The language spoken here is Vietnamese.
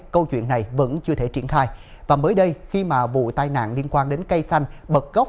câu chuyện này vẫn chưa thể triển khai và mới đây khi mà vụ tai nạn liên quan đến cây xanh bật gốc